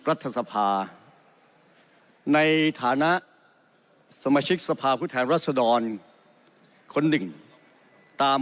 รัฐสภาในฐานะสมาชิกสภาพผู้แทนรัศดรคนหนึ่งตาม